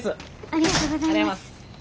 ありがとうございます。